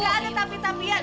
gak ada tapi tapian